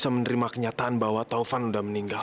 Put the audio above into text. aku mau menerima kenyataan bahwa taufan udah meninggal